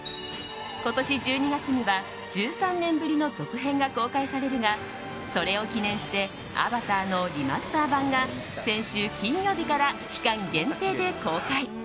今年１２月には１３年ぶりの続編が公開されるがそれを記念して「アバター」のリマスター版が先週金曜日から期間限定で公開。